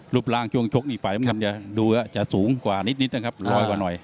รูปร่างช่วงชกนี่ฝ่ายน้ำเงินจะดูจะสูงกว่านิดนะครับลอยกว่าหน่อย